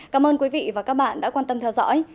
cảm ơn quý vị và các bạn đã quan tâm theo dõi